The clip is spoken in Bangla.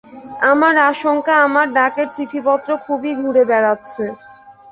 আমার আশঙ্কা, আমার ডাকের চিঠিপত্র খুবই ঘুরে বেড়াচ্ছে।